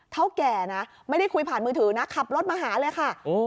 แก่นะไม่ได้คุยผ่านมือถือนะขับรถมาหาเลยค่ะ